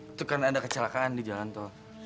itu karena ada kecelakaan di jalan tol